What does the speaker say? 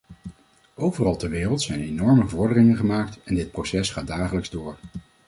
Overal ter wereld zijn enorme vorderingen gemaakt, en dit proces gaat dagelijks door.